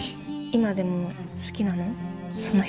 今でも好きなの？